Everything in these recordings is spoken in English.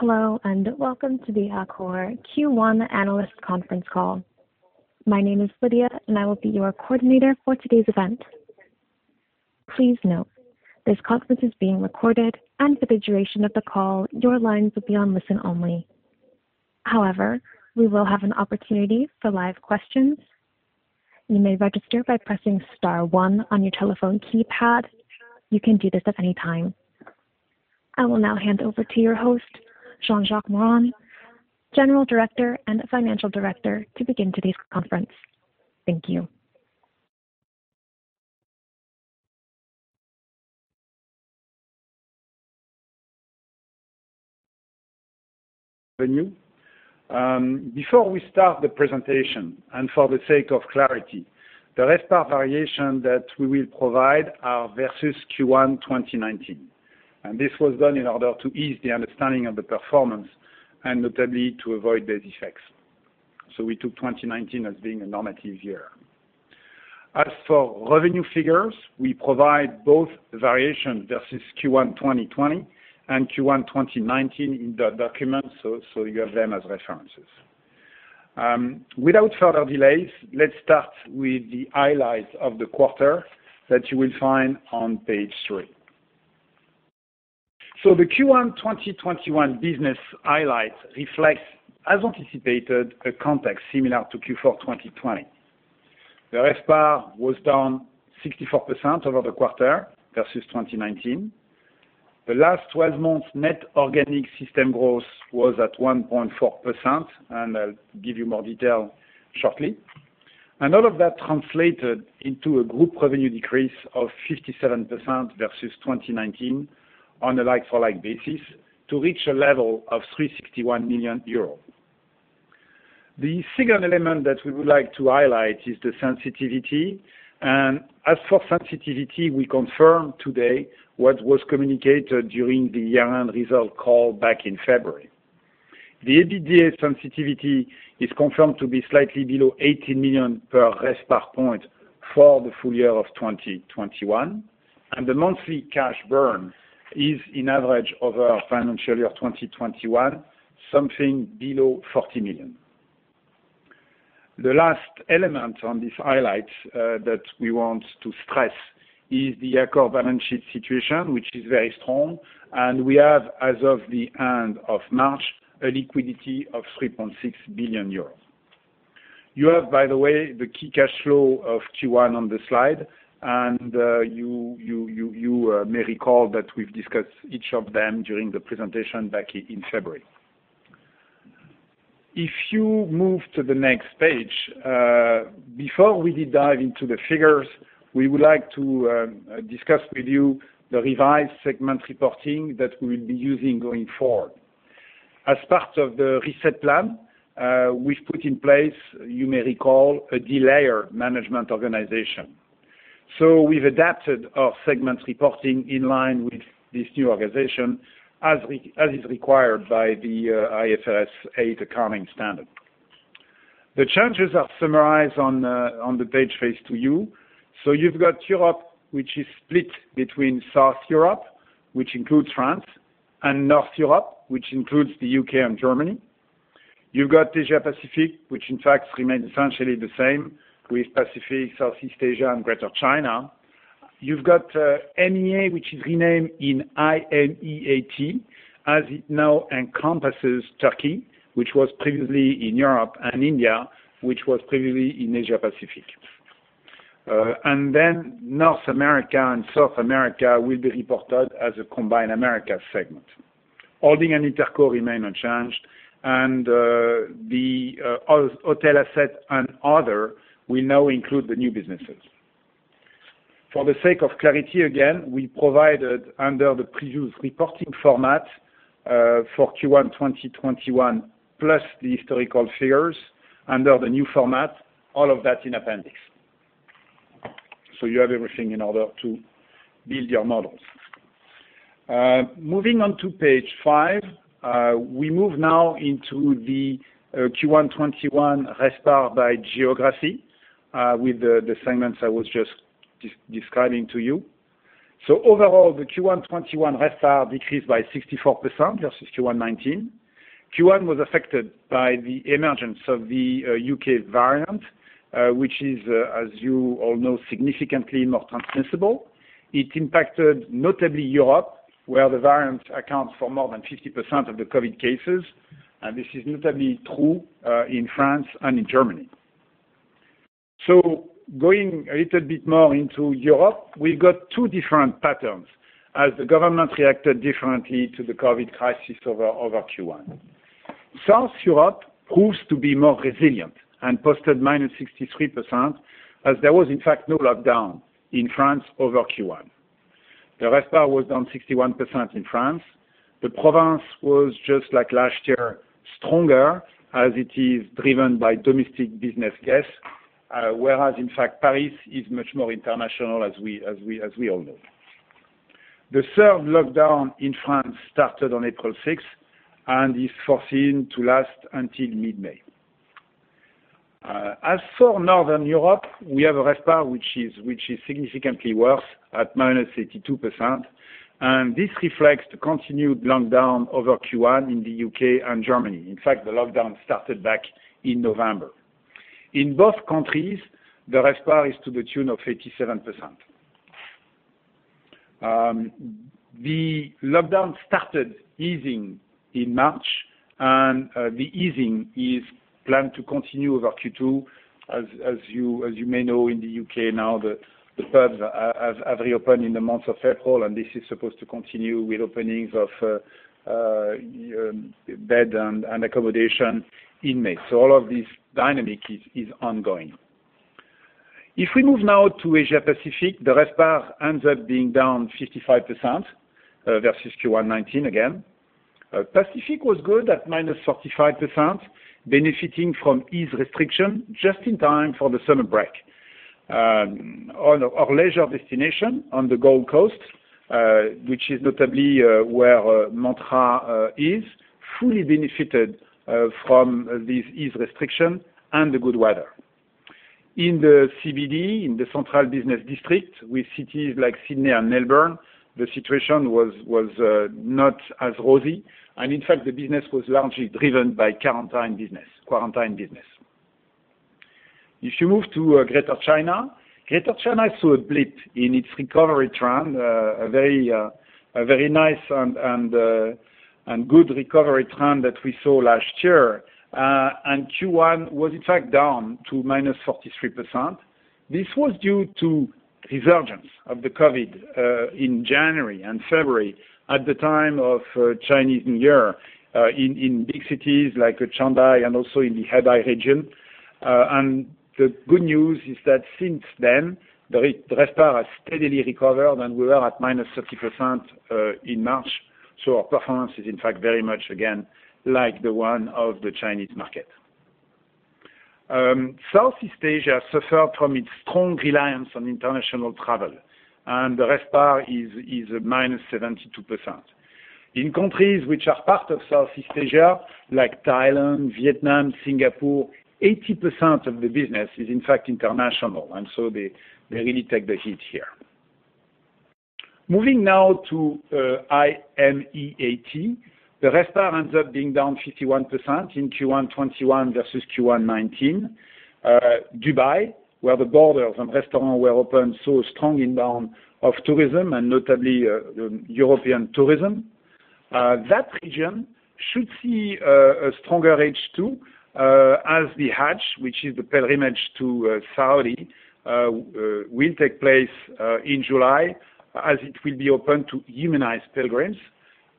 Hello, and welcome to the Accor Q1 Analysts Conference Call. My name is Lydia, and I will be your coordinator for today's event. Please note, this conference is being recorded, and for the duration of the call, your lines will be on listen only. However, we will have an opportunity for live questions. You may register by pressing star one on your telephone keypad. You can do this at any time. I will now hand over to your host, Jean-Jacques Morin, General Director and Financial Director, to begin today's conference. Thank you. Before we start the presentation and for the sake of clarity, the RevPAR variation that we will provide are versus Q1 2019, and this was done in order to ease the understanding of the performance and notably to avoid the defects, so we took 2019 as being a normative year. As for revenue figures, we provide both variation versus Q1 2020 and Q1 2019 in the document, so you have them as references. Without further delays, let's start with the highlights of the quarter that you will find on page three, so the Q1 2021 business highlights reflects, as anticipated, a context similar to Q4 2020. The RevPAR was down 64% over the quarter versus 2019. The last 12 months' net organic system growth was at 1.4%, and I'll give you more detail shortly. And all of that translated into a group revenue decrease of 57% versus 2019 on a like-for-like basis to reach a level of 361 million euros. The second element that we would like to highlight is the sensitivity. And as for sensitivity, we confirm today what was communicated during the year-end result call back in February. The EBITDA sensitivity is confirmed to be slightly below 18 million per RevPAR point for the full year of 2021. And the monthly cash burn is, in average, over financial year 2021, something below 40 million. The last element on this highlight that we want to stress is the Accor balance sheet situation, which is very strong. And we have, as of the end of March, a liquidity of 3.6 billion euros. You have, by the way, the key cash flow of Q1 on the slide, and you may recall that we've discussed each of them during the presentation back in February. If you move to the next page, before we dive into the figures, we would like to discuss with you the revised segment reporting that we will be using going forward. As part of the reset plan, we've put in place, you may recall, a delayered management organization. So we've adapted our segment reporting in line with this new organization, as is required by the IFRS 8 accounting standard. The changes are summarized on the page facing you. So you've got Europe, which is split between South Europe, which includes France, and North Europe, which includes the U.K. and Germany. You've got Asia-Pacific, which in fact remains essentially the same, with Pacific, Southeast Asia, and Greater China. You've got MEA, which is renamed to IMEAT, as it now encompasses Turkey, which was previously in Europe, and India, which was previously in Asia-Pacific. North America and South America will be reported as a combined Americas segment. Holding and Interco remain unchanged, and the hotel asset and other will now include the new businesses. For the sake of clarity, again, we provided under the previous reporting format for Q1 2021, plus the historical figures under the new format, all of that in appendix. You have everything in order to build your models. Moving on to page five, we move now into the Q1 2021 RevPAR by geography with the segments I was just describing to you. Overall, the Q1 2021 RevPAR decreased by 64% versus Q1 2019. Q1 was affected by the emergence of the U.K. variant, which is, as you all know, significantly more transmissible. It impacted notably Europe, where the variant accounts for more than 50% of the COVID cases, and this is notably true in France and in Germany. Going a little bit more into Europe, we've got two different patterns as the government reacted differently to the COVID crisis over Q1. South Europe proves to be more resilient and posted -63%, as there was in fact no lockdown in France over Q1. The RevPAR was down 61% in France. The province was, just like last year, stronger, as it is driven by domestic business guests, whereas in fact, Paris is much more international, as we all know. The third lockdown in France started on April 6, and is foreseen to last until mid-May. As for Northern Europe, we have a RevPAR which is significantly worse at -82%, and this reflects the continued lockdown over Q1 in the U.K. and Germany. In fact, the lockdown started back in November. In both countries, the RevPAR is to the tune of 87%. The lockdown started easing in March, and the easing is planned to continue over Q2. As you may know, in the U.K. now, the pubs have reopened in the month of April, and this is supposed to continue with openings of bed and accommodation in May, so all of this dynamic is ongoing. If we move now to Asia-Pacific, the RevPAR ends up being down 55% versus Q1 2019 again. Pacific was good at -45%, benefiting from eased restrictions just in time for the summer break. Our leisure destination on the Gold Coast, which is notably where Mantra is, fully benefited from this easing of restrictions and the good weather. In the CBD, in the Central Business District, with cities like Sydney and Melbourne, the situation was not as rosy, and in fact, the business was largely driven by quarantine business. If you move to Greater China, Greater China saw a blip in its recovery trend, a very nice and good recovery trend that we saw last year, and Q1 was in fact down to -43%. This was due to resurgence of the COVID in January and February at the time of Chinese New Year in big cities like Shanghai and also in the Hebei region, and the good news is that since then, the RevPAR has steadily recovered, and we were at -30% in March. So our performance is in fact very much, again, like the one of the Chinese market. Southeast Asia suffered from its strong reliance on international travel, and the RevPAR is -72%. In countries which are part of Southeast Asia, like Thailand, Vietnam, Singapore, 80% of the business is in fact international, and so they really take the heat here. Moving now to IMEAT, the RevPAR ends up being down 51% in Q1 2021 versus Q1 2019. Dubai, where the borders and restaurants were open, saw a strong inbound of tourism, and notably European tourism. That region should see a stronger H2 as the Hajj, which is the pilgrimage to Saudi, will take place in July as it will be open to immunized pilgrims.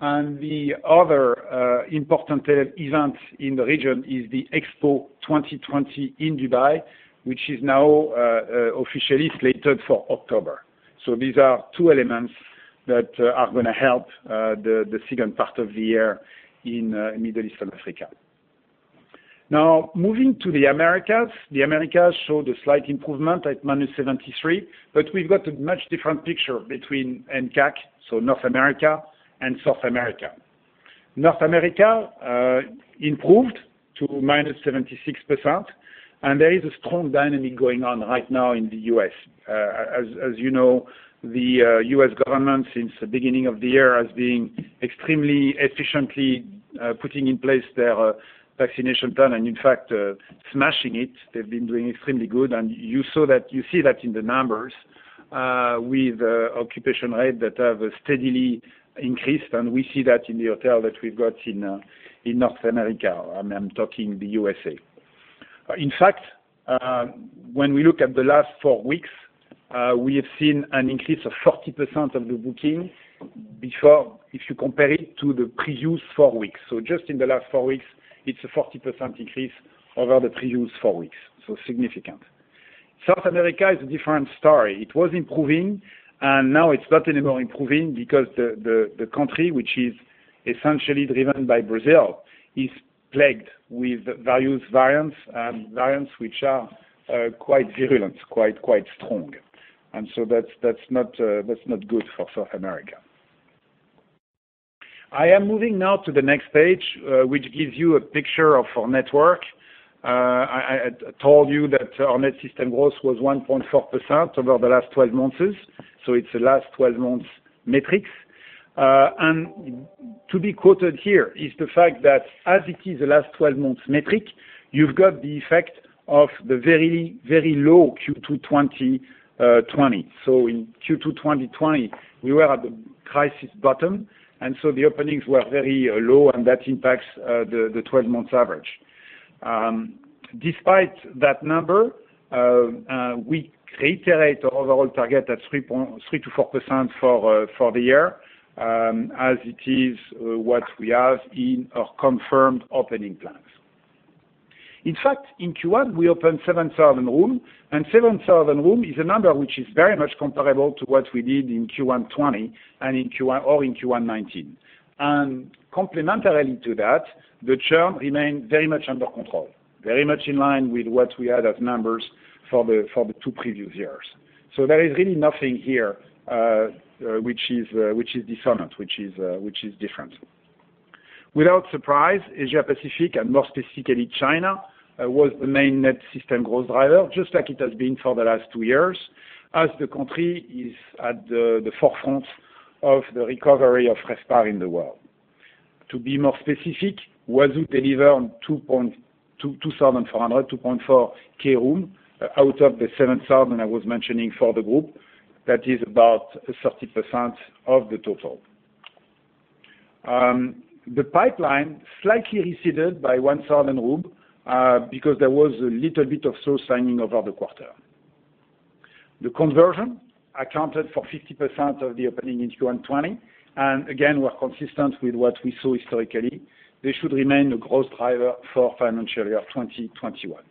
And the other important event in the region is the Expo 2020 in Dubai, which is now officially slated for October. These are two elements that are going to help the second part of the year in Middle East and Africa. Now, moving to the Americas, the Americas showed a slight improvement at -73%, but we've got a much different picture between NCAC, so North America, and South America. North America improved to -76%, and there is a strong dynamic going on right now in the U.S. As you know, the U.S. government since the beginning of the year has been extremely efficiently putting in place their vaccination plan and in fact smashing it. They've been doing extremely good, and you see that in the numbers with occupancy rate that have steadily increased, and we see that in the hotel that we've got in North America. I'm talking the U.S.A. In fact, when we look at the last four weeks, we have seen an increase of 40% of the booking before if you compare it to the previous four weeks. So just in the last four weeks, it's a 40% increase over the previous four weeks, so significant. South America is a different story. It was improving, and now it's not anymore improving because the country, which is essentially driven by Brazil, is plagued with various variants which are quite virulent, quite strong. And so that's not good for South America. I am moving now to the next page, which gives you a picture of our network. I told you that our net system growth was 1.4% over the last 12 months, so it's a last 12 months metric. To be quoted here is the fact that as it is a last 12 months metric, you've got the effect of the very low Q2 2020. So in Q2 2020, we were at the crisis bottom, and so the openings were very low, and that impacts the 12 months average. Despite that number, we reiterate our overall target at 3%-4% for the year, as it is what we have in our confirmed opening plans. In fact, in Q1, we opened 7,000 rooms, and 7,000 rooms is a number which is very much comparable to what we did in Q1 2020 or in Q1 2019. And complementarily to that, the churn remained very much under control, very much in line with what we had as numbers for the two previous years. So there is really nothing here which is dissonant, which is different. Without surprise, Asia-Pacific, and more specifically China, was the main net system growth driver, just like it has been for the last two years, as the country is at the forefront of the recovery of RevPAR in the world. To be more specific, Huazhu Group delivered 2,400, 2.4K rooms out of the 7,000 I was mentioning for the group. That is about 30% of the total. The pipeline slightly receded by 1,000 rooms because there was a little bit of slow signing over the quarter. The conversion accounted for 50% of the opening in Q1 2020, and again, we're consistent with what we saw historically. They should remain a growth driver for financial year 2021.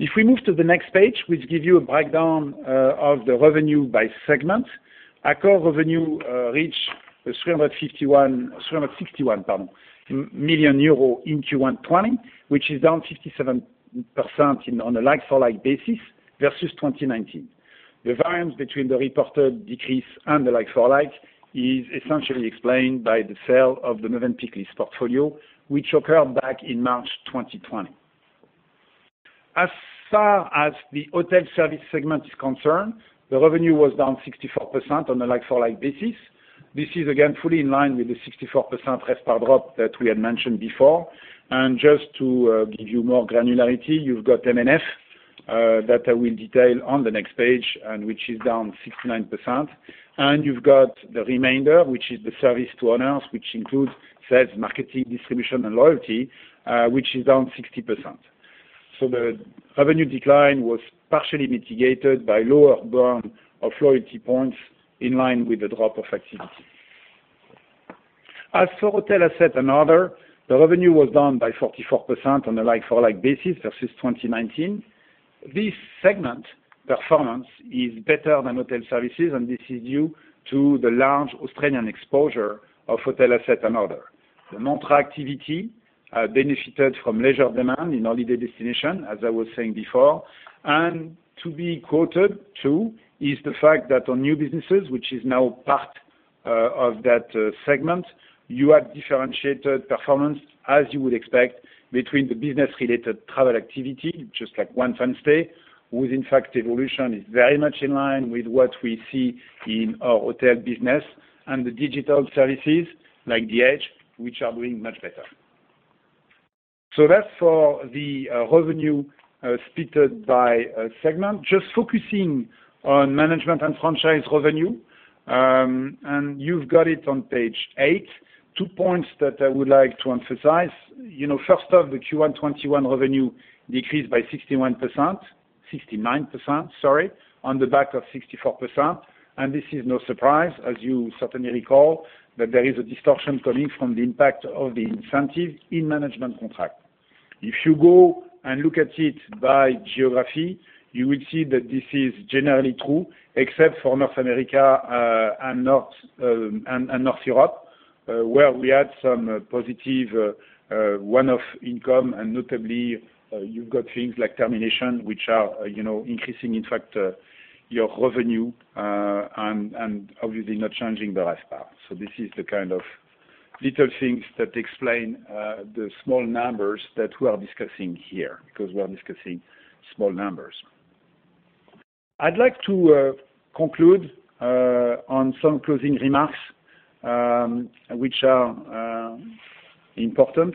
If we move to the next page, which gives you a breakdown of the revenue by segment, Accor reached EUR 361 million in Q1 2020, which is down 57% on a like-for-like basis versus 2019. The variance between the reported decrease and the like-for-like is essentially explained by the sale of the Mövenpick lease portfolio, which occurred back in March 2020. As far as the hotel service segment is concerned, the revenue was down 64% on a like-for-like basis. This is, again, fully in line with the 64% RevPAR drop that we had mentioned before. And just to give you more granularity, you've got M&F that I will detail on the next page, and which is down 69%. And you've got the remainder, which is the service to owners, which includes sales, marketing, distribution, and loyalty, which is down 60%. So the revenue decline was partially mitigated by lower burn of loyalty points in line with the drop of activity. As for hotel asset and other, the revenue was down by 44% on a like-for-like basis versus 2019. This segment performance is better than hotel services, and this is due to the large Australian exposure of hotel asset and other. The Mantra activity benefited from leisure demand in holiday destination, as I was saying before. And to be quoted too is the fact that on new businesses, which is now part of that segment, you had differentiated performance, as you would expect, between the business-related travel activity, just like onefinestay, whose in fact evolution is very much in line with what we see in our hotel business and the digital services like D-EDGE, which are doing much better. So that's for the revenue split by segment, just focusing on management and franchise revenue. And you've got it on page eight, two points that I would like to emphasize. First off, the Q1 2021 revenue decreased by 61%, 69%, sorry, on the back of 64%. This is no surprise, as you certainly recall, that there is a distortion coming from the impact of the incentives in management contracts. If you go and look at it by geography, you will see that this is generally true, except for North America and North Europe, where we had some positive one-off income, and notably, you've got things like termination, which are increasing, in fact, our revenue and obviously not changing the RevPAR. So this is the kind of little things that explain the small numbers that we are discussing here because we are discussing small numbers. I'd like to conclude on some closing remarks which are important.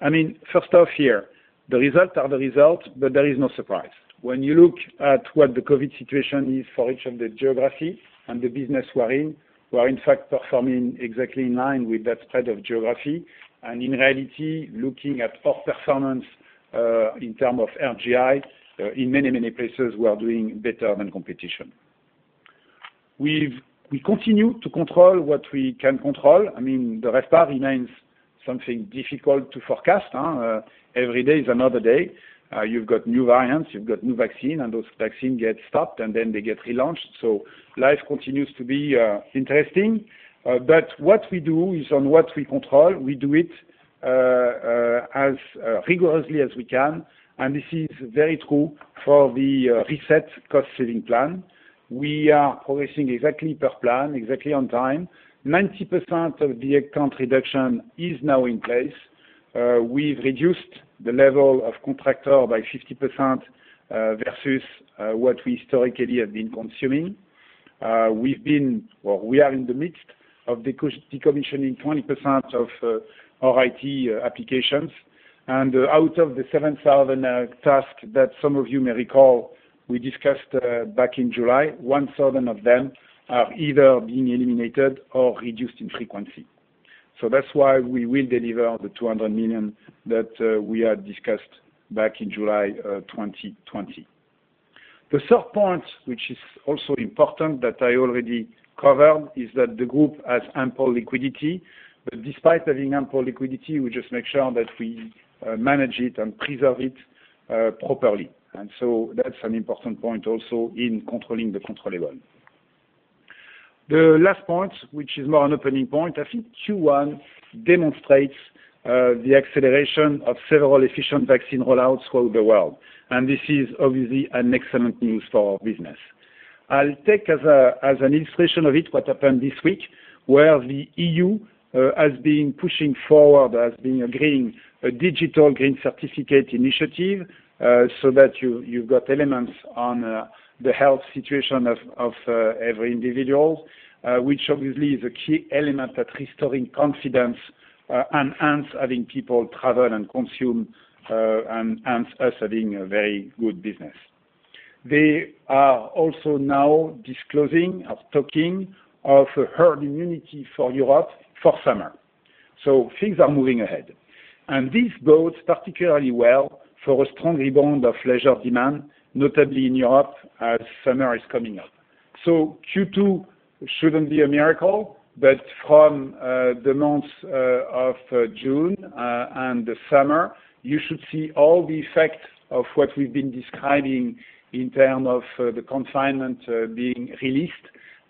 I mean, first off here, the results are the results, but there is no surprise. When you look at what the COVID situation is for each of the geographies and the business we're in, we're in fact performing exactly in line with that spread of geography, and in reality, looking at our performance in terms of RGI, in many, many places, we're doing better than competition. We continue to control what we can control. I mean, the RevPAR remains something difficult to forecast. Every day is another day. You've got new variants, you've got new vaccine, and those vaccines get stopped, and then they get relaunched, so life continues to be interesting, but what we do is on what we control. We do it as rigorously as we can, and this is very true for the reset cost-saving plan. We are progressing exactly per plan, exactly on time. 90% of the account reduction is now in place. We've reduced the level of contractor by 50% versus what we historically have been consuming. We've been, or we are in the midst of decommissioning 20% of our IT applications. And out of the 7,000 tasks that some of you may recall, we discussed back in July, 1,000 of them are either being eliminated or reduced in frequency. So that's why we will deliver the 200 million that we had discussed back in July 2020. The third point, which is also important that I already covered, is that the group has ample liquidity. But despite having ample liquidity, we just make sure that we manage it and preserve it properly. And so that's an important point also in controlling the controllable. The last point, which is more an opening point, I think Q1 demonstrates the acceleration of several efficient vaccine rollouts throughout the world. This is obviously excellent news for our business. I'll take as an illustration of it what happened this week, where the EU has been pushing forward, has been agreeing a Digital Green Certificate initiative so that you've got elements on the health situation of every individual, which obviously is a key element at restoring confidence and having people travel and consume and us having a very good business. They are also now disclosing or talking of a Herd Immunity for Europe for summer. Things are moving ahead. This bodes particularly well for a strong rebound of leisure demand, notably in Europe as summer is coming up. Q2 shouldn't be a miracle, but from the months of June and the summer, you should see all the effect of what we've been describing in terms of the confinement being released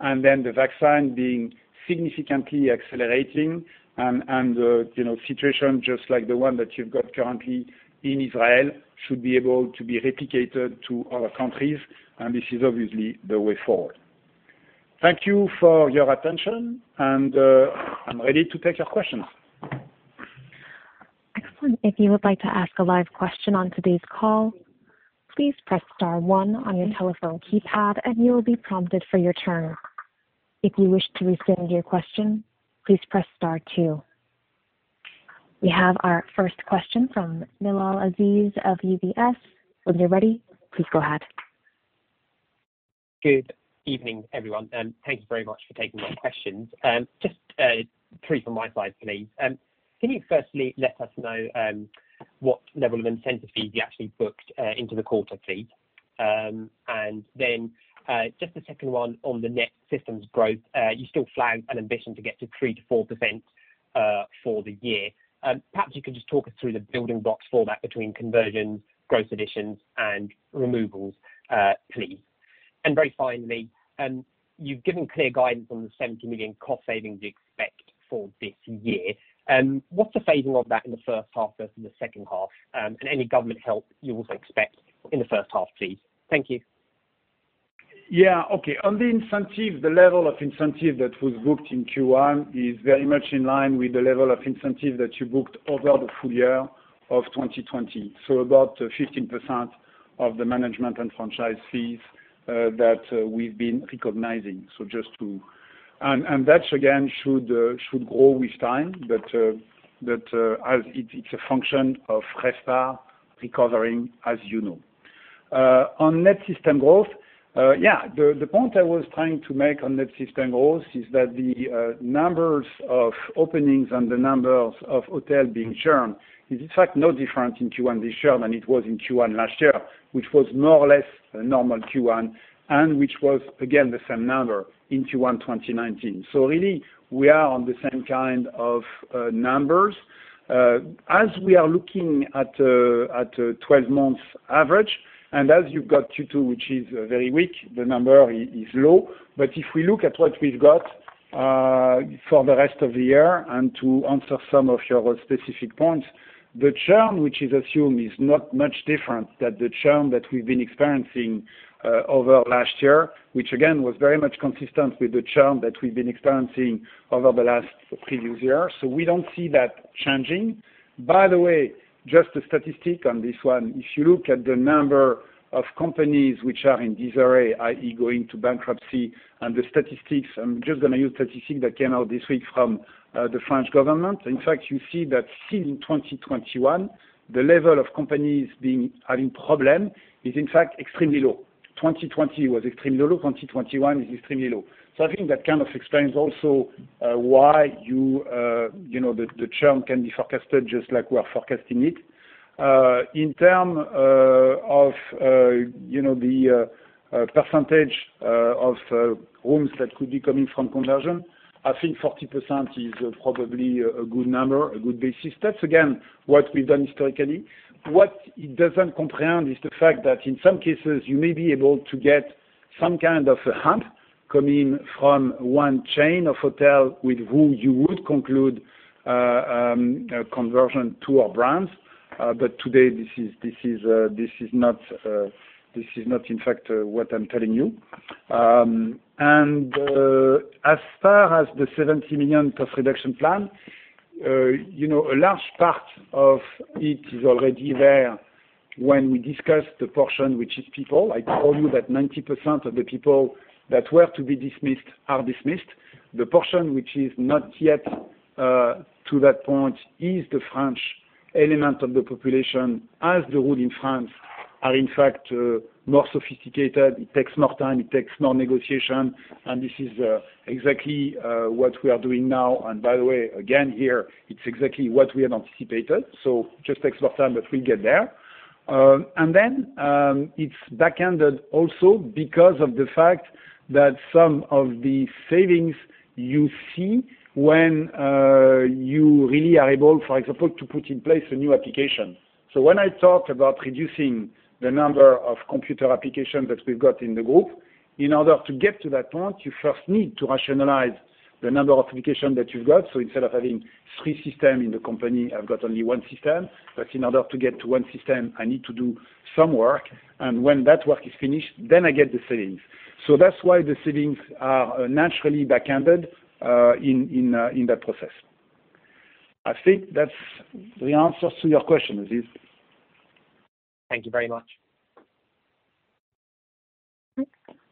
and then the vaccine being significantly accelerating. And the situation, just like the one that you've got currently in Israel, should be able to be replicated to other countries. And this is obviously the way forward. Thank you for your attention, and I'm ready to take your questions. Excellent. If you would like to ask a live question on today's call, please press Star 1 on your telephone keypad, and you will be prompted for your turn. If you wish to resend your question, please press Star 2. We have our first question from Bilal Aziz of UBS. When you're ready, please go ahead. Good evening, everyone, and thank you very much for taking my questions. Just three from my side, please. Can you firstly let us know what level of incentive fees you actually booked into the quarter, please? Then just the second one on the net system growth, you still flagged an ambition to get to 3%-4% for the year. Perhaps you could just talk us through the building blocks for that between conversions, gross additions, and removals, please. And very finally, you've given clear guidance on the 70 million cost savings you expect for this year. What's the phasing of that in the first half versus the second half? And any government help you also expect in the first half, please? Thank you. Yeah. Okay. On the incentive, the level of incentive that was booked in Q1 is very much in line with the level of incentive that you booked over the full year of 2020, so about 15% of the management and franchise fees that we've been recognizing. So just to and that, again, should grow with time, but it's a function of RevPAR recovering, as you know. On net system growth, yeah, the point I was trying to make on net system growth is that the numbers of openings and the numbers of hotel being churned is, in fact, no different in Q1 this year than it was in Q1 last year, which was more or less a normal Q1 and which was, again, the same number in Q1 2019. So really, we are on the same kind of numbers. As we are looking at a 12-month average, and as you've got Q2, which is very weak, the number is low. But if we look at what we've got for the rest of the year, and to answer some of your specific points, the churn, which is assumed, is not much different than the churn that we've been experiencing over last year, which, again, was very much consistent with the churn that we've been experiencing over the last previous year. So we don't see that changing. By the way, just a statistic on this one. If you look at the number of companies which are in disarray, i.e., going to bankruptcy, and the statistics, I'm just going to use statistics that came out this week from the French government. In fact, you see that still in 2021, the level of companies having problems is, in fact, extremely low. 2020 was extremely low. 2021 is extremely low. So I think that kind of explains also why the churn can be forecasted just like we are forecasting it. In terms of the percentage of rooms that could be coming from conversion, I think 40% is probably a good number, a good basis. That's, again, what we've done historically. What it doesn't comprehend is the fact that in some cases, you may be able to get some kind of a hub coming from one chain of hotels with whom you would conclude conversion to our brands. But today, this is not, in fact, what I'm telling you. And as far as the 70 million cost reduction plan, a large part of it is already there when we discuss the portion which is people. I told you that 90% of the people that were to be dismissed are dismissed. The portion which is not yet to that point is the French element of the population, as the rules in France are, in fact, more sophisticated. It takes more time. It takes more negotiation. And this is exactly what we are doing now. And by the way, again, here, it's exactly what we had anticipated. So it just takes more time, but we'll get there. And then it's back-ended also because of the fact that some of the savings you see when you really are able, for example, to put in place a new application. So when I talk about reducing the number of computer applications that we've got in the group, in order to get to that point, you first need to rationalize the number of applications that you've got. So instead of having three systems in the company, I've got only one system. But in order to get to one system, I need to do some work. And when that work is finished, then I get the savings. So that's why the savings are naturally back-ended in that process. I think that's the answer to your question, Aziz. Thank you very much.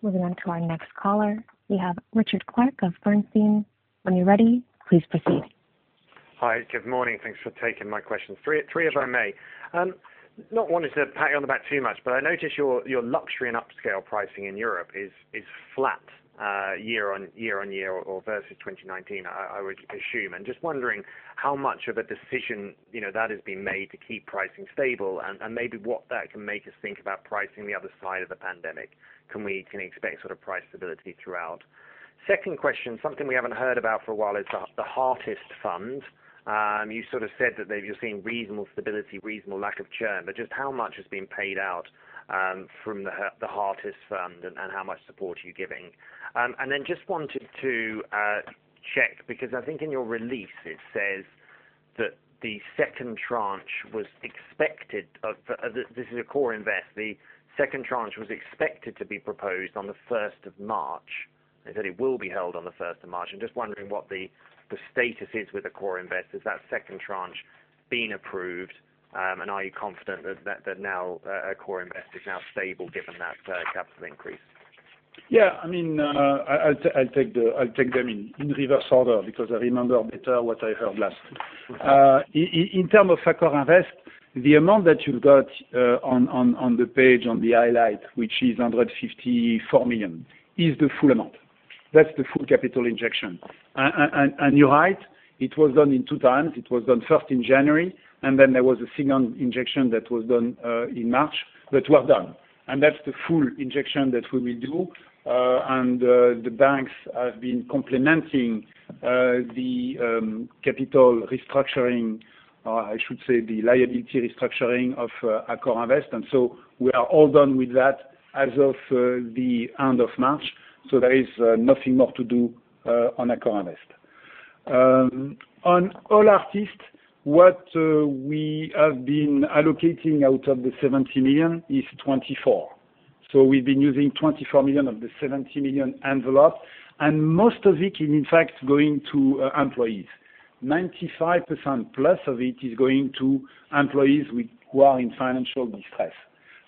Moving on to our next caller. We have Richard Clarke of Bernstein. When you're ready, please proceed. Hi. Good morning. Thanks for taking my question. Three if I may. Not wanting to pat you on the back too much, but I notice your luxury and upscale pricing in Europe is flat year on year versus 2019, I would assume. And just wondering how much of a decision that has been made to keep pricing stable and maybe what that can make us think about pricing the other side of the pandemic. Can we expect sort of price stability throughout? Second question, something we haven't heard about for a while is the Heartist Fund. You sort of said that you're seeing reasonable stability, reasonable lack of churn. But just how much has been paid out from the Heartist Fund, and how much support are you giving? And then just wanted to check because I think in your release, it says that the second tranche was expected—this is AccorInvest—the second tranche was expected to be proposed on the 1st of March. They said it will be held on the 1st of March. I'm just wondering what the status is with AccorInvest. Has that second tranche been approved? And are you confident that now AccorInvest is now stable given that capital increase? Yeah. I mean, I'll take them in reverse order because I remember better what I heard last. In terms of AccorInvest, the amount that you've got on the page, on the highlight, which is 154 million, is the full amount. That's the full capital injection. And you're right. It was done in two times. It was done first in January, and then there was a second injection that was done in March, but well done. And that's the full injection that we will do. And the banks have been complementing the capital restructuring, or I should say the liability restructuring of AccorInvest. And so we are all done with that as of the end of March. So there is nothing more to do on AccorInvest. On Heartists, what we have been allocating out of the 70 million is 24. So we've been using 24 million of the 70 million envelope, and most of it is, in fact, going to employees. 95%+ of it is going to employees who are in financial distress.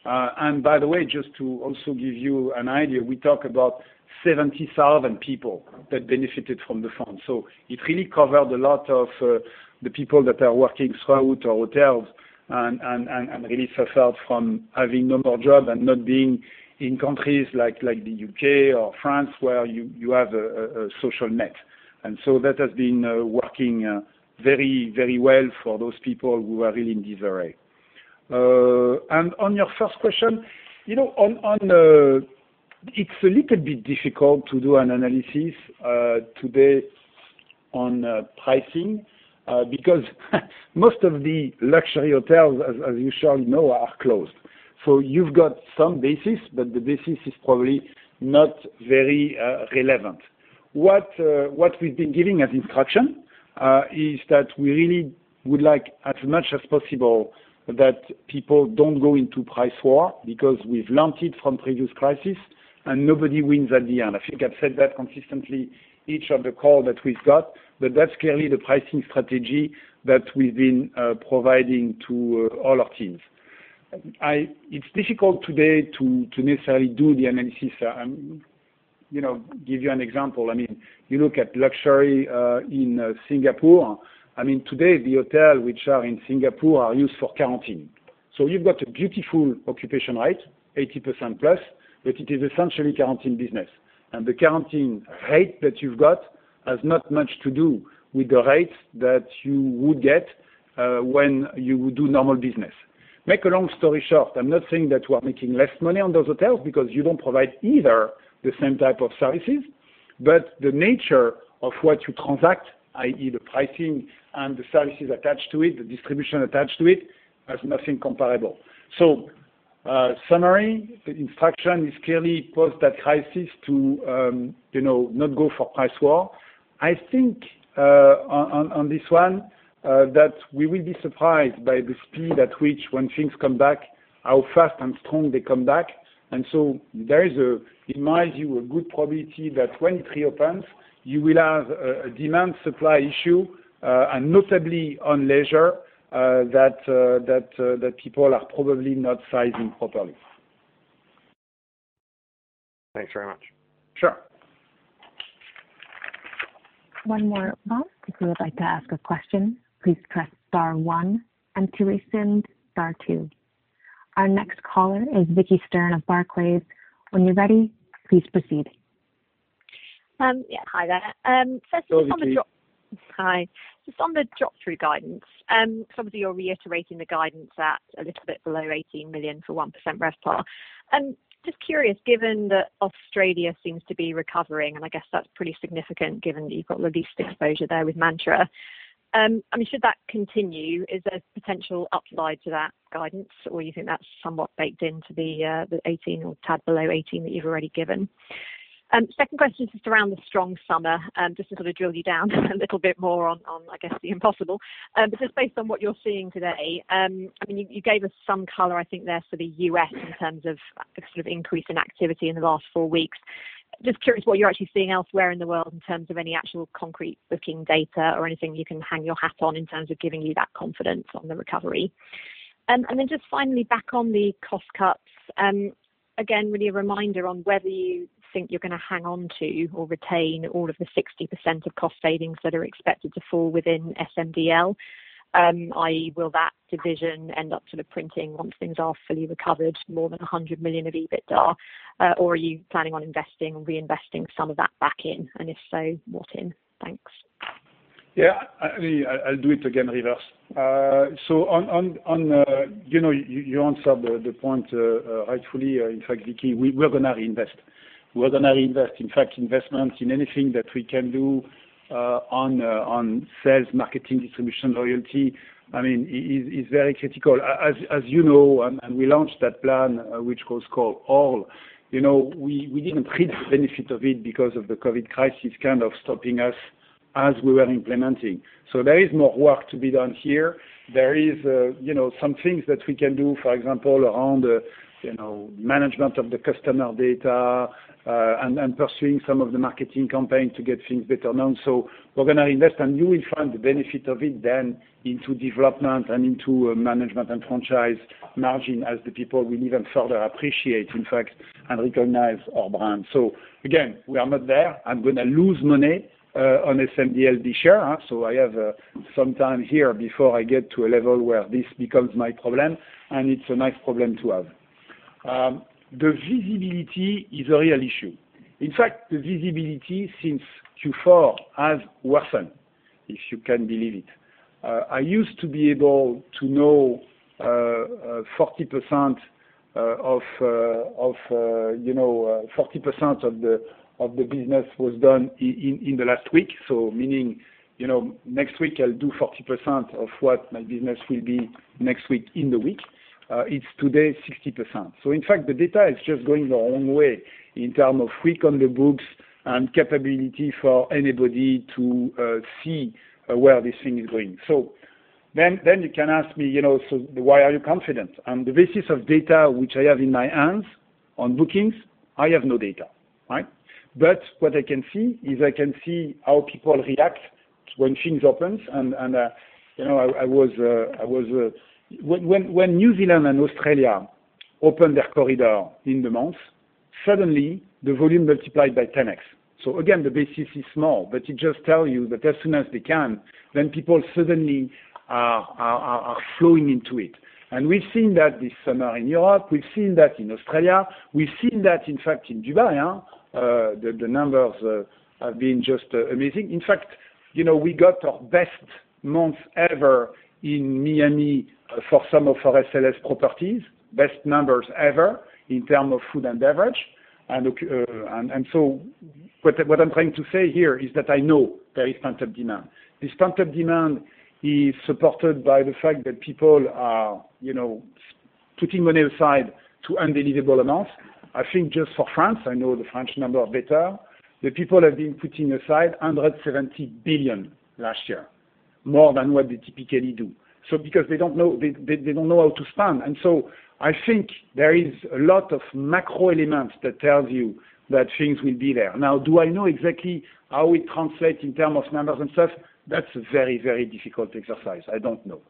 And by the way, just to also give you an idea, we talk about 70,000 people that benefited from the fund. So it really covered a lot of the people that are working throughout our hotels and really suffered from having no more job and not being in countries like the U.K. or France where you have a social net. And so that has been working very, very well for those people who are really in disarray. And on your first question, it's a little bit difficult to do an analysis today on pricing because most of the luxury hotels, as you surely know, are closed. So you've got some basis, but the basis is probably not very relevant. What we've been giving as instruction is that we really would like, as much as possible, that people don't go into price war because we've learned it from previous crises, and nobody wins at the end. I think I've said that consistently in each of the calls that we've got, but that's clearly the pricing strategy that we've been providing to all our teams. It's difficult today to necessarily do the analysis. I'll give you an example. I mean, you look at luxury in Singapore. I mean, today, the hotels which are in Singapore are used for quarantine. So you've got a beautiful occupancy rate, 80%+, but it is essentially quarantine business. And the quarantine rate that you've got has not much to do with the rates that you would get when you would do normal business. make a long story short, I'm not saying that we are making less money on those hotels because you don't provide either the same type of services, but the nature of what you transact, i.e., the pricing and the services attached to it, the distribution attached to it, has nothing comparable. So, summary, the instruction is clearly post that crisis to not go for price war. I think on this one that we will be surprised by the speed at which, when things come back, how fast and strong they come back. And so there is, in my view, a good probability that when it reopens, you will have a demand-supply issue, and notably on leisure, that people are probably not sizing properly. Thanks very much. Sure. One more call. If you would like to ask a question, please press Star 1 and to resend, Star 2. Our next caller is Vicki Stern of Barclays. When you're ready, please proceed. Yeah. Hi there. Firstly, on the. Hi. Just on the drop-through guidance, some of you are reiterating the guidance at a little bit below 18 million for 1% RevPAR. Just curious, given that Australia seems to be recovering, and I guess that's pretty significant given that you've got the least exposure there with Mantra, I mean, should that continue, is there potential upside to that guidance, or you think that's somewhat baked into the 18 or tad below 18 that you've already given? Second question is just around the strong summer, just to sort of drill you down a little bit more on, I guess, the impossible. But just based on what you're seeing today, I mean, you gave us some color, I think, there for the U.S. in terms of sort of increase in activity in the last four weeks. Just curious what you're actually seeing elsewhere in the world in terms of any actual concrete booking data or anything you can hang your hat on in terms of giving you that confidence on the recovery. And then just finally, back on the cost cuts, again, really a reminder on whether you think you're going to hang on to or retain all of the 60% of cost savings that are expected to fall within SMDL, i.e., will that division end up sort of printing, once things are fully recovered, more than 100 million of EBITDA, or are you planning on investing and reinvesting some of that back in? And if so, what in? Thanks. Yeah. I'll do it again reverse. So you answered the point rightfully. In fact, Vicki, we're going to reinvest. We're going to reinvest. In fact, investment in anything that we can do on sales, marketing, distribution, loyalty, I mean, is very critical. As you know, and we launched that plan, which was called ALL, we didn't really benefit of it because of the COVID crisis kind of stopping us as we were implementing. So there is more work to be done here. There is some things that we can do, for example, around management of the customer data and pursuing some of the marketing campaigns to get things better known. So we're going to reinvest, and you will find the benefit of it then into development and into management and franchise margin as the people will even further appreciate, in fact, and recognize our brand. So again, we are not there. I'm going to lose money on SMDL this year. So I have some time here before I get to a level where this becomes my problem, and it's a nice problem to have. The visibility is a real issue. In fact, the visibility since Q4 has worsened, if you can believe it. I used to be able to know 40% of 40% of the business was done in the last week. So meaning next week, I'll do 40% of what my business will be next week in the week. It's today 60%. So in fact, the data is just going the wrong way in terms of frequency of bookings and capability for anybody to see where this thing is going. So then you can ask me, "So why are you confident?" On the basis of data which I have in my hands on bookings, I have no data, right? But what I can see is I can see how people react when things open. And it was when New Zealand and Australia opened their corridor in the month, suddenly the volume multiplied by 10x. So again, the basis is small, but it just tells you that as soon as they can, then people suddenly are flowing into it. And we've seen that this summer in Europe. We've seen that in Australia. We've seen that, in fact, in Dubai. The numbers have been just amazing. In fact, we got our best month ever in Miami for some of our SLS properties, best numbers ever in terms of food and beverage. And so what I'm trying to say here is that I know there is pent-up demand. This pent-up demand is supported by the fact that people are putting money aside to unbelievable amounts. I think just for France, I know the French number better. The people have been putting aside 170 billion last year, more than what they typically do, so because they don't know how to spend, and so I think there is a lot of macro elements that tells you that things will be there. Now, do I know exactly how it translates in terms of numbers and stuff? That's a very, very difficult exercise. I don't know,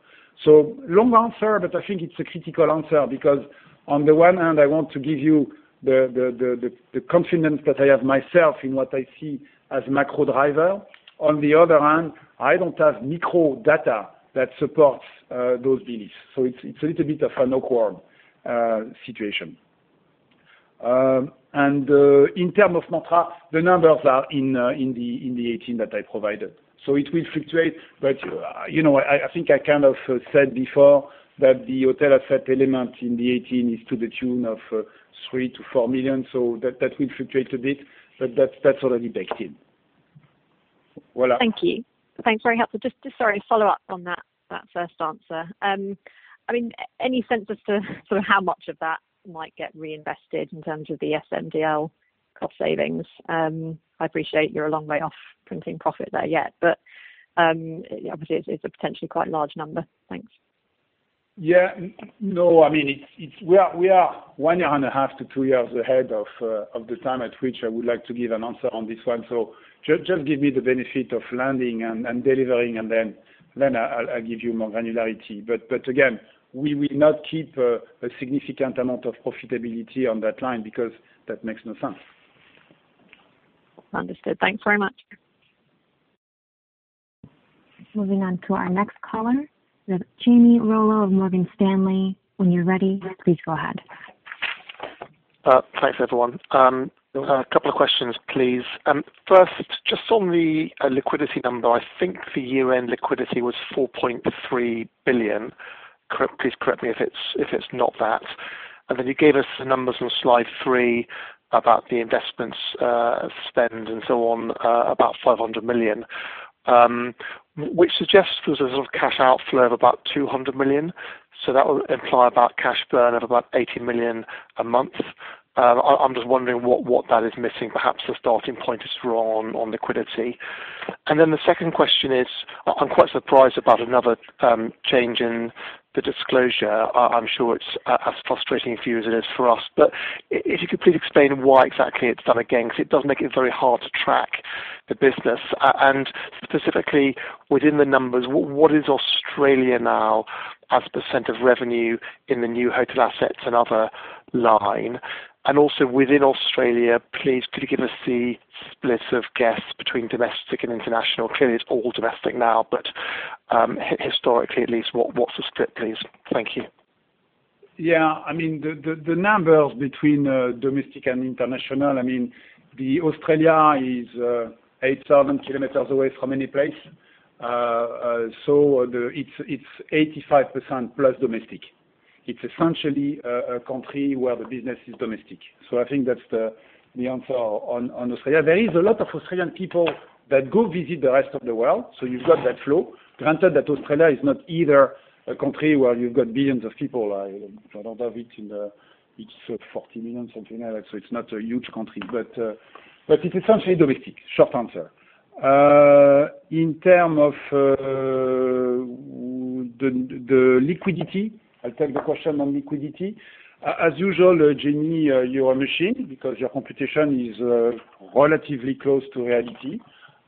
so long answer, but I think it's a critical answer because on the one hand, I want to give you the confidence that I have myself in what I see as macro driver. On the other hand, I don't have micro data that supports those beliefs, so it's a little bit of an awkward situation, and in terms of Mantra, the numbers are in the 18 that I provided. So it will fluctuate, but I think I kind of said before that the hotel asset element in the 18 is to the tune of 3-4 million. So that will fluctuate a bit, but that's already baked in. Voilà. Thank you. Thanks very much. Just, sorry, follow-up on that first answer. I mean, any sense as to sort of how much of that might get reinvested in terms of the SMDL cost savings? I appreciate you're a long way off printing profit there yet, but obviously, it's a potentially quite large number. Thanks. Yeah. No, I mean, we are one year and a half to two years ahead of the time at which I would like to give an answer on this one. So just give me the benefit of landing and delivering, and then I'll give you more granularity. But again, we will not keep a significant amount of profitability on that line because that makes no sense. Understood. Thanks very much. Moving on to our next caller. We have Jamie Rollo of Morgan Stanley. When you're ready, please go ahead. Thanks, everyone. A couple of questions, please. First, just on the liquidity number, I think the year-end liquidity was 4.3 billion. Please correct me if it's not that. And then you gave us the numbers on slide three about the investments spend and so on, about 500 million, which suggests there was a sort of cash outflow of about 200 million. So that would imply about cash burn of about 80 million a month. I'm just wondering what that is missing. Perhaps the starting point is wrong on liquidity. And then the second question is, I'm quite surprised about another change in the disclosure. I'm sure it's as frustrating for you as it is for us. But if you could please explain why exactly it's done again, because it does make it very hard to track the business. And specifically within the numbers, what is Australia now as a percent of revenue in the new hotel assets and other line? And also within Australia, please, could you give us the splits of guests between domestic and international? Clearly, it's all domestic now, but historically, at least, what's the split, please? Thank you. Yeah. I mean, the numbers between domestic and international, I mean, Australia is 8,000 km away from any place. So it's 85%+ domestic. It's essentially a country where the business is domestic. So I think that's the answer on Australia. There is a lot of Australian people that go visit the rest of the world. So you've got that flow. Granted that Australia is not either a country where you've got billions of people. I don't have it in the 40 million something like that, so it's not a huge country, but it's essentially domestic, short answer. In terms of the liquidity, I'll take the question on liquidity. As usual, Jamie, you're a machine because your computation is relatively close to reality,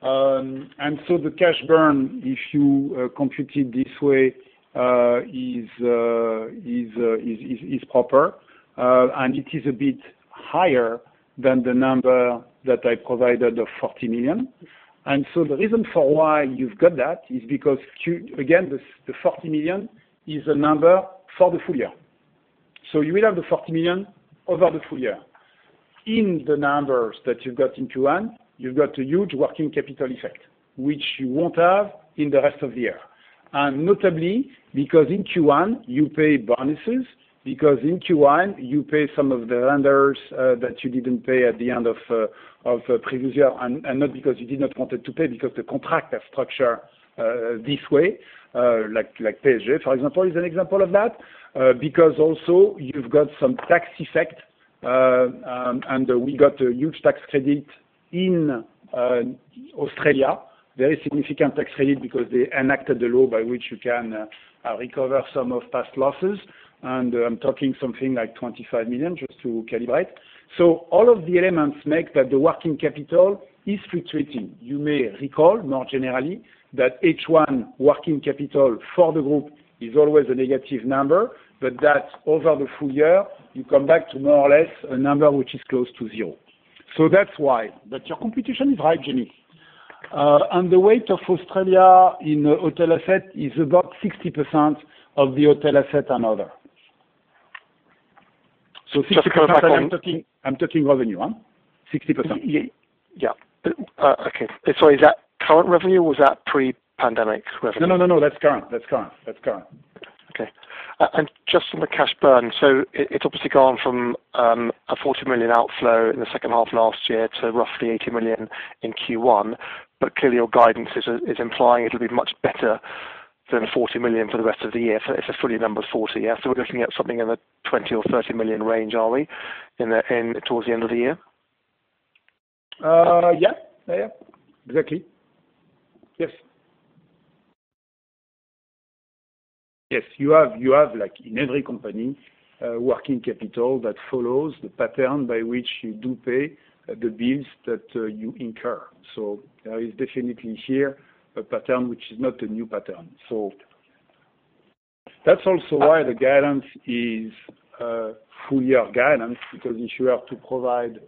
and so the cash burn, if you computed this way, is proper, and it is a bit higher than the number that I provided, the 40 million. And so the reason for why you've got that is because, again, the 40 million is a number for the full year, so you will have the 40 million over the full year. In the numbers that you've got in Q1, you've got a huge working capital effect, which you won't have in the rest of the year. And notably, because in Q1, you pay bonuses, because in Q1, you pay some of the vendors that you didn't pay at the end of previous year, and not because you did not want to pay, because the contract structure this way, like PSG, for example, is an example of that, because also you've got some tax effect. And we got a huge tax credit in Australia, very significant tax credit because they enacted the law by which you can recover some of past losses. And I'm talking something like 25 million, just to calibrate. So all of the elements make that the working capital is fluctuating. You may recall, more generally, that H1 working capital for the group is always a negative number, but that over the full year, you come back to more or less a number which is close to zero. So that's why. But your computation is right, Jamie. And the weight of Australia in hotel asset is about 60% of the hotel asset and other. So 60%. I'm talking revenue, huh? 60%. Yeah. Okay. Sorry, is that current revenue or was that pre-pandemic revenue? No, no, no, no. That's current. That's current. That's current. Okay. And just on the cash burn, so it's obviously gone from a 40 million outflow in the second half last year to roughly 80 million in Q1. But clearly, your guidance is implying it'll be much better than 40 million for the rest of the year. So it's a fully numbered 40. So we're looking at something in the 20 million or 30 million range, are we, towards the end of the year? Yeah. Yeah. Yeah. Exactly. Yes. Yes. You have, like in every company, working capital that follows the pattern by which you do pay the bills that you incur. So there is definitely here a pattern which is not a new pattern. So that's also why the guidance is full year guidance, because if you were to provide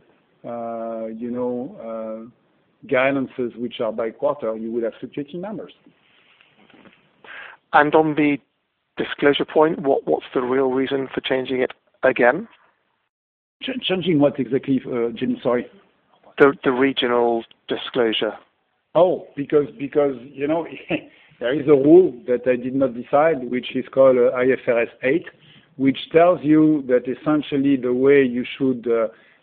guidances which are by quarter, you would have fluctuating numbers. And on the disclosure point, what's the real reason for changing it again? Changing what exactly, Jamie? Sorry. The regional disclosure. Oh, because there is a rule that I did not decide, which is called IFRS 8, which tells you that essentially the way you should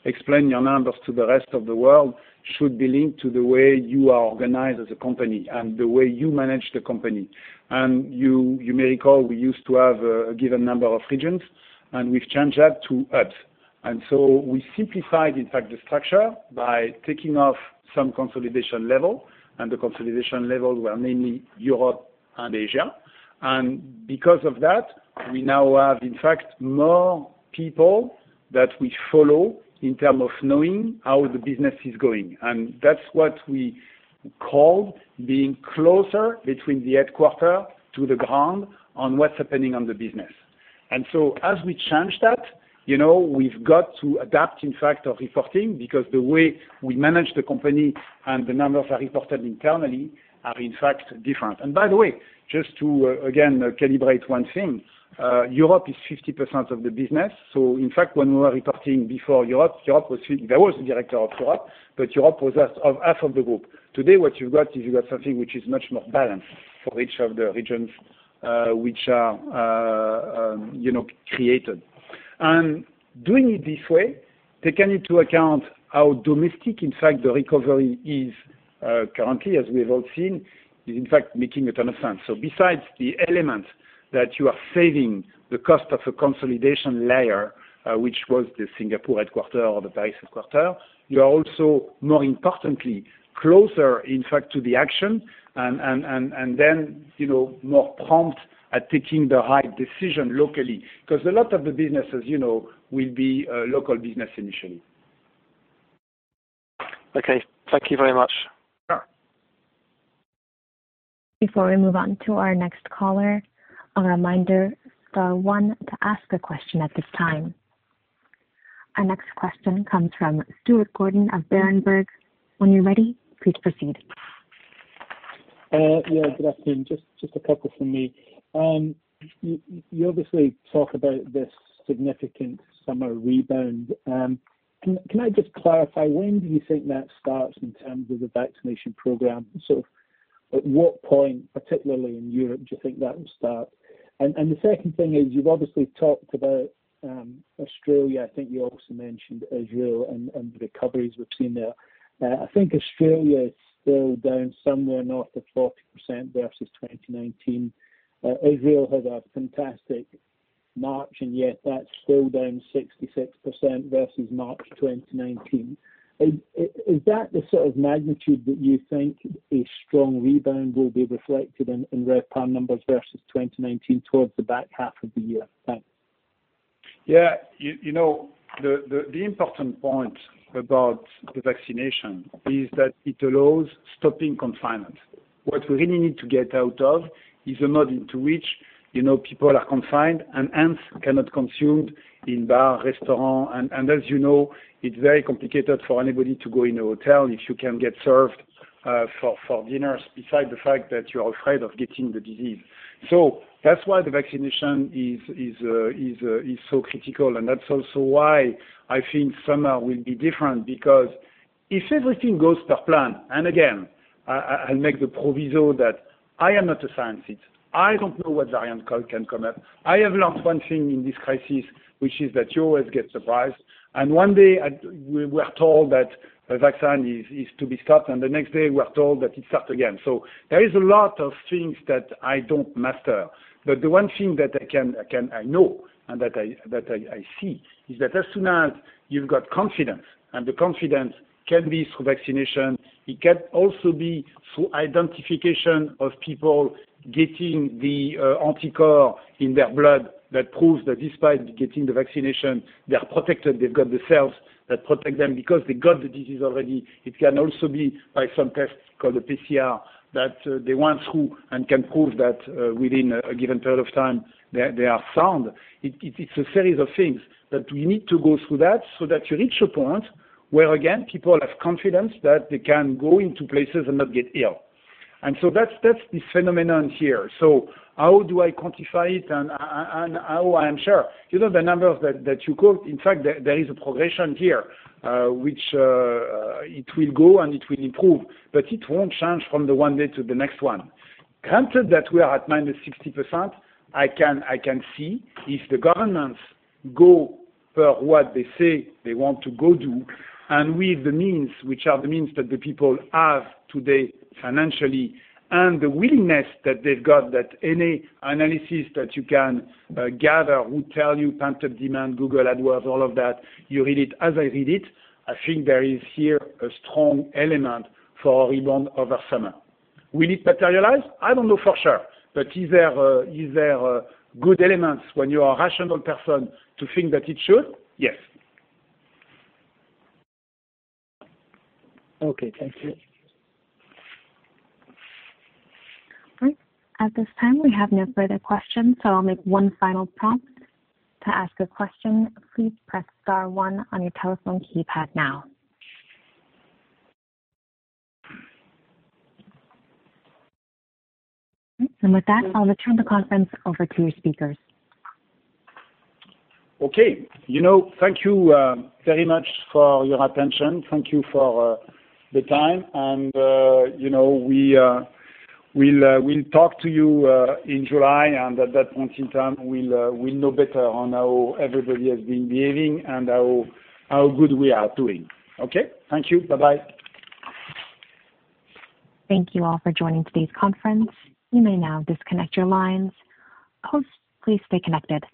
explain your numbers to the rest of the world should be linked to the way you are organized as a company and the way you manage the company. You may recall we used to have a given number of regions, and we've changed that to eight. So we simplified, in fact, the structure by taking off some consolidation level. The consolidation levels were mainly Europe and Asia. Because of that, we now have, in fact, more people that we follow in terms of knowing how the business is going. That's what we called being closer between the headquarters to the ground on what's happening on the business. So as we changed that, we've got to adapt, in fact, our reporting because the way we manage the company and the numbers are reported internally are, in fact, different. By the way, just to again calibrate one thing, Europe is 50% of the business. In fact, when we were reporting before Europe, there was a director of Europe, but Europe was half of the group. Today, what you've got is you've got something which is much more balanced for each of the regions which are created. And doing it this way, taking into account how domestic, in fact, the recovery is currently, as we have all seen, is in fact making a ton of sense. So besides the element that you are saving the cost of a consolidation layer, which was the Singapore headquarters or the Paris headquarters, you are also, more importantly, closer, in fact, to the action and then more prompt at taking the right decision locally. Because a lot of the businesses will be local business initially. Okay. Thank you very much. Before we move on to our next caller, a reminder, the one to ask a question at this time. Our next question comes from Stuart Gordon of Berenberg. When you're ready, please proceed. Yeah. Good afternoon. Just a couple from me. You obviously talk about this significant summer rebound. Can I just clarify, when do you think that starts in terms of the vaccination program? So at what point, particularly in Europe, do you think that will start? And the second thing is you've obviously talked about Australia. I think you also mentioned Israel and the recoveries we've seen there. I think Australia is still down somewhere north of 40% versus 2019. Israel had a fantastic March, and yet that's still down 66% versus March 2019. Is that the sort of magnitude that you think a strong rebound will be reflected in RevPAR numbers versus 2019 towards the back half of the year? Thanks. Yeah. The important point about the vaccination is that it allows stopping confinement. What we really need to get out of is a mode into which people are confined and hence cannot consume in bars, restaurants. And as you know, it's very complicated for anybody to go in a hotel if you can't get served for dinners beside the fact that you're afraid of getting the disease. So that's why the vaccination is so critical. And that's also why I think summer will be different because if everything goes per plan, and again, I'll make the proviso that I am not a scientist. I don't know what variant can come up. I have learned one thing in this crisis, which is that you always get surprised, and one day, we were told that a vaccine is to be stopped, and the next day, we're told that it starts again, so there is a lot of things that I don't master, but the one thing that I know and that I see is that as soon as you've got confidence, and the confidence can be through vaccination. It can also be through identification of people getting the antibodies in their blood that proves that despite getting the vaccination, they're protected. They've got the cells that protect them because they got the disease already. It can also be by some test called a PCR that they went through and can prove that within a given period of time, they are sound. It's a series of things that we need to go through that so that you reach a point where, again, people have confidence that they can go into places and not get ill. And so that's this phenomenon here. So how do I quantify it and how I am sure? The numbers that you quote, in fact, there is a progression here, which it will go and it will improve, but it won't change from the one day to the next one. Granted that we are at -60%, I can see if the governments go per what they say they want to go do and with the means, which are the means that the people have today financially and the willingness that they've got, that any analysis that you can gather would tell you pumped-up demand, Google AdWords, all of that. You read it as I read it. I think there is here a strong element for a rebound over summer. Will it materialize? I don't know for sure. But is there good elements when you are a rational person to think that it should? Yes. Okay. Thank you. All right. At this time, we have no further questions. So I'll make one final prompt to ask a question. Please press star one on your telephone keypad now. And with that, I'll return the conference over to your speakers. Okay. Thank you very much for your attention. Thank you for the time. And we'll talk to you in July. And at that point in time, we'll know better on how everybody has been behaving and how good we are doing. Okay? Thank you. Bye-bye. Thank you all for joining today's conference. You may now disconnect your lines. Please stay connected.